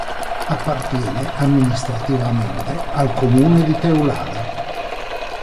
Appartiene amministrativamente al comune di Teulada.